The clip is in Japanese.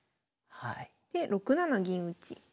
で６七銀打。